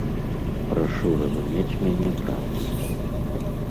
Прашу разумець мяне правільна.